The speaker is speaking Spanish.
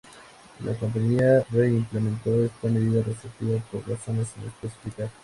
La compañía re-implementó esta medida restrictiva por razones sin especificar.